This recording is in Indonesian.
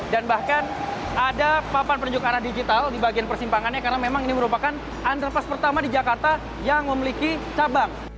dan bahkan ada papan penyuk arah digital di bagian persimpangannya karena memang ini merupakan underpass pertama di jakarta yang memiliki cabang